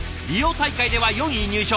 大会では４位入賞。